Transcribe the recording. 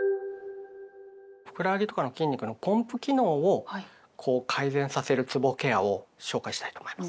ふくらはぎとかの筋肉のポンプ機能をこう改善させるつぼケアを紹介したいと思います。